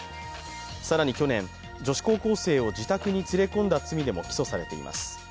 更に去年、女子高校生を自宅に連れ込んだ罪でも起訴されています。